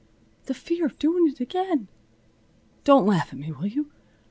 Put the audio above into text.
The fear of doing it again. Don't laugh at me, will you?